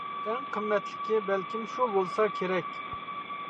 ئەڭ قىممەتلىكى بەلكىم شۇ بولسا كېرەك.